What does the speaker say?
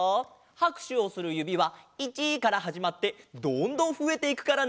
はくしゅをするゆびは１からはじまってどんどんふえていくからね！